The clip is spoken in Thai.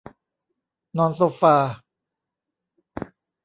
นอนโซฟา